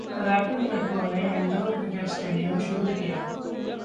rapid metro ने indoor cricket stadium शुरू किया